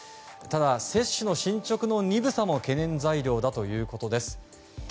ただ、接種の進捗の鈍さも懸念材料だということです。